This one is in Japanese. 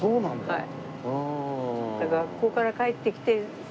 はい。